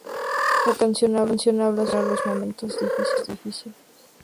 La canción habla sobre superar los momentos difíciles.